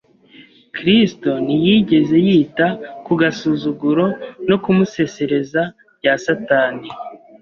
Kristo ntiyigeze yita ku gasuzuguro no kumusesereza bya Satani